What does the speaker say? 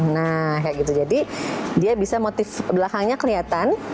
nah kayak gitu jadi dia bisa motif belakangnya kelihatan